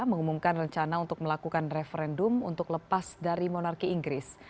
mengumumkan rencana untuk melakukan referendum untuk lepas dari monarki inggris